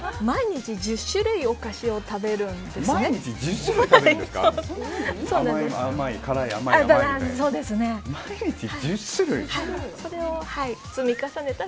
毎日、１０種類お菓子を食べるんですね。